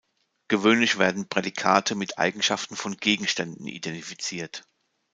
Gewöhnlich werden Prädikate mit Eigenschaften von Gegenständen identifiziert.